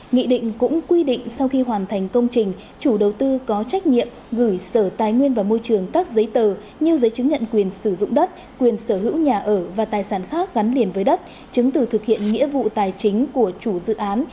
nghị định cũng quy định sau khi hoàn thành công trình chủ đầu tư có trách nhiệm gửi sở tài nguyên và môi trường các giấy tờ như giấy chứng nhận quyền sử dụng đất quyền sở hữu nhà ở và tài sản khác gắn liền với đất chứng từ thực hiện nghĩa vụ tài chính của chủ dự án